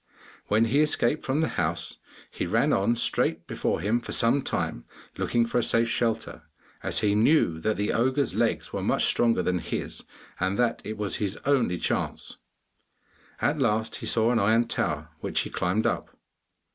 When he escaped from the house he ran on straight before him for some time, looking for a safe shelter, as he knew that the ogre's legs were much longer than his, and that it was his only chance. At last he saw an iron tower which he climbed up.